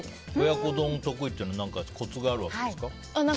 親子丼得意というのはコツがあるんですか？